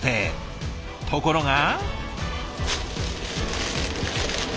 ところが。